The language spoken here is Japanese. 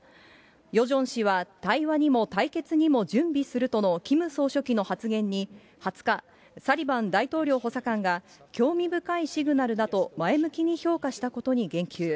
ヨジョン氏は対話にも対決にも準備するとのキム総書記の発言に、２０日、サリバン大統領補佐官が興味深いシグナルだと前向きに評価したことに言及。